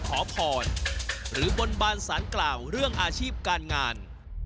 ขอพรหรือบนบานสารกล่าวเรื่องอาชีพการงาน